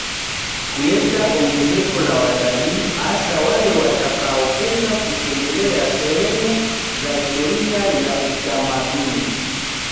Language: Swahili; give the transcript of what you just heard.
Kuleta ongezeko la wataliii hasa wale watakaopenda kutembelea sehemu za historia ya utamaduni